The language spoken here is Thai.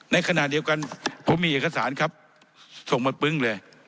ในขณะเดียวกันผมมีเอกสารครับส่งมาปึ้งเลย